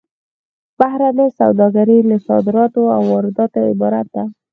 بهرنۍ سوداګري له صادراتو او وارداتو عبارت ده